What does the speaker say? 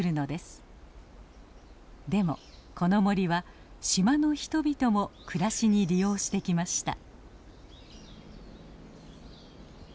でもこの森は島の人々も暮らしに利用してきました。